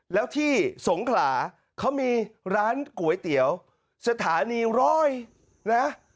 แล้วที่สงขลาเขามีร้านก๋วยเตี๋ยวสถานีร้อยนะ